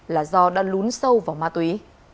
là do đã lún sâu vào ma túy